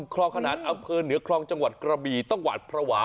คล้องขนาดอัพเพิร์นเหนือคลองจังหวัดกระบีต้องหวัดพระหวา